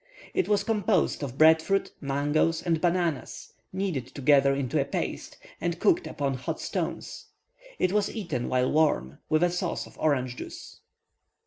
It was composed of bread fruit, mangoes, and bananas, kneaded together into a paste, and cooked upon hot stones. It was eaten, while warm, with a sauce of orange juice.